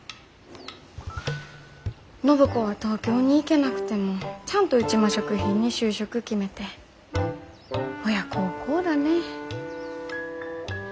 暢子は東京に行けなくてもちゃんと内間食品に就職決めて親孝行だねえ。